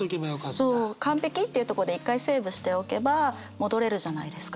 そう完璧っていうとこで１回セーブしておけば戻れるじゃないですか。